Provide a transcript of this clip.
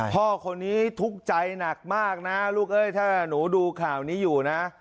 พ่อคนนี้ทุกข์ใจหนักมากนะลูกเอ้ยถ้าหนูดูข่าวนี้อยู่นะ